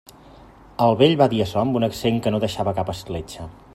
El vell va dir açò amb un accent que no deixava cap escletxa.